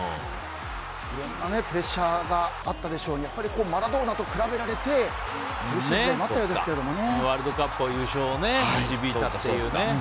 いろんなプレッシャーがあったでしょうにマラドーナと比べられて苦しい部分もワールドカップの優勝を導いたというね。